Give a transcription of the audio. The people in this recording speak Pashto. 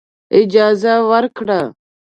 اجازه ورکړه.